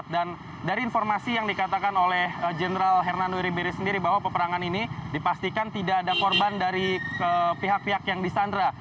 dan dari informasi yang dikatakan oleh jenderal hernan wiri beri sendiri bahwa peperangan ini dipastikan tidak ada korban dari pihak pihak yang di sandra